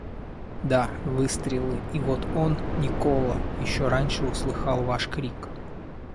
Да, выстрелы, и вот он, Никола, еще раньше услыхал ваш крик.